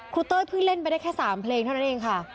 เต้ยเพิ่งเล่นไปได้แค่๓เพลงเท่านั้นเองค่ะ